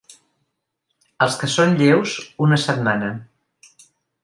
Els que són lleus, una setmana.